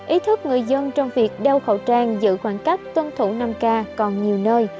ý thức người dân trong việc đeo khẩu trang giữ khoảng cách tuân thủ năm k còn nhiều nơi